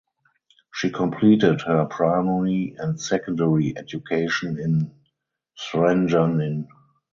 She completed her primary and secondary education in Zrenjanin.